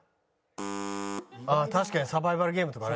確かにサバイバルゲームとかね。